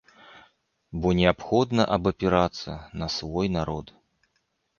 Бо неабходна абапірацца на свой народ.